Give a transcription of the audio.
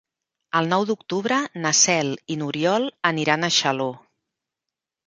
El nou d'octubre na Cel i n'Oriol aniran a Xaló.